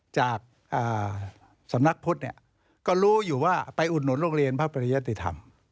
จากสำนักพุทธเนี่ยก็รู้อยู่ว่าไปอุดหนุนโรงเรียนพระปริยติธรรม